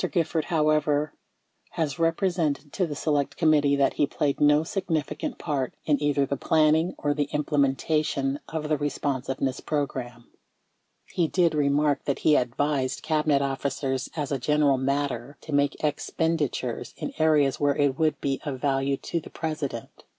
Gifford, however, has represented to the Select Committee that he played no significant part in either the planning or the imple mentation of the Responsiveness Program. He did remark that he advised Cabinet officers as a general matter to make expenditures in areas where it would be of value to the President.